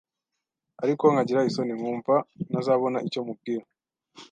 ariko nkagira isoni, nkumva ntazabona icyo mubwira